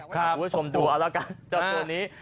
คุณผู้ชมดูเอาละกันเจ้าตัวนี้